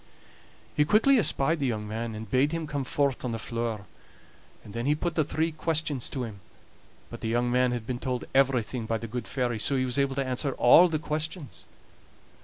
He quickly espied the young man, and bade him come forth on the floor. And then he put the three questions to him, but the young man had been told everything by the good fairy, so he was able to answer all the questions.